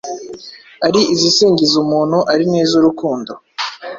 ari izisingiza umuntu ,ari n’iz’urukundo.